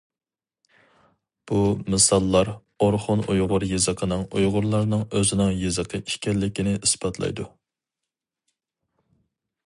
بۇ مىساللار ئورخۇن ئۇيغۇر يېزىقىنىڭ ئۇيغۇرلارنىڭ ئۆزىنىڭ يېزىقى ئىكەنلىكىنى ئىسپاتلايدۇ.